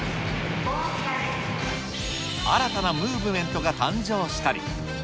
新たなムーブメントが誕生したり。